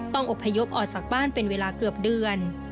อบพยพออกจากบ้านเป็นเวลาเกือบเดือน